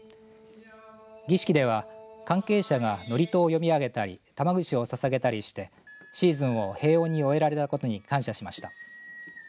儀式では関係者が祝詞を読み上げたり玉串をささげたりしてシーズンを平穏に終えられたことに感謝しました。